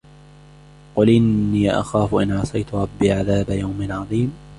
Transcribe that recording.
قل إني أخاف إن عصيت ربي عذاب يوم عظيم